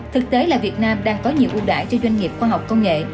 thực tế là việt nam đang có nhiều ưu đại cho doanh nghiệp khoa học công nghệ